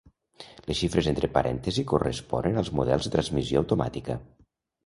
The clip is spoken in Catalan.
Les xifres entre parèntesis corresponen als models de transmissió automàtica.